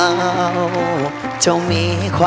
อุจสนาคเดียว